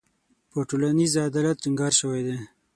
په ټولنیز عدالت ټینګار شوی دی.